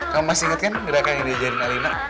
kamu masih inget kan gerakannya dia jaring alina